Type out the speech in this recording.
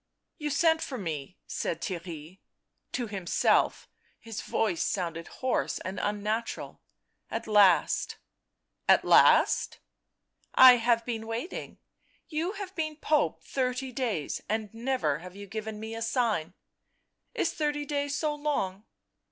" You sent for me," said Theirry; to himself his voice sounded hoarse and unnatural. " At last "" At last ?"" I have been waiting — you have been Pope thirty days, and never have you given me a sign." " Is thirty days so long?"